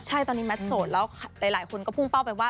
ใช่ตอนนี้แมทโสดแล้วหลายคนก็พุ่งเป้าไปว่า